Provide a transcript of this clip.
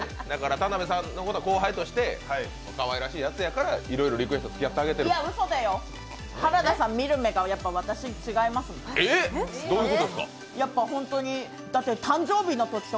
田辺さんのことは後輩としてかわいらしいやつだからいろいろリクエストに付き合ってやってると。